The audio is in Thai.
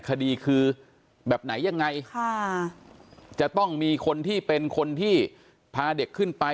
คดีคือแบบไหนยังไงค่ะจะต้องมีคนที่เป็นคนที่พาเด็กขึ้นไป